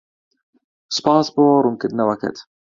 سوپاس بۆ ڕوونکردنەوەکەت.